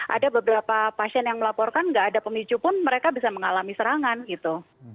ada beberapa pasien yang melaporkan nggak ada pemicu pun mereka bisa mengalami serangan gitu